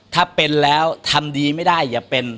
ถ้าเป็นแล้วทำดีไม่ได้อย่าเป็น